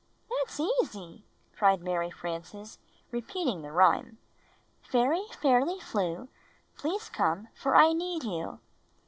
" "That's easy!" cried Mary Frances, repeating the rhyme: "Fairy Fairly Flew, Please come, for I need you."